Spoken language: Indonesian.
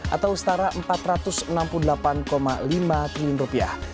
atau setara empat ratus enam puluh delapan lima triliun rupiah